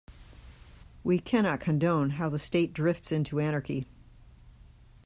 We cannot condone how the state drifts into anarchy.